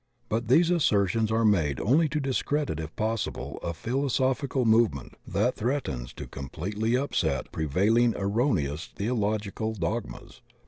But these assertions are made only to discredit if possible a philo sophical movement that threatens to completely upset prevailing erroneous theological dogmas.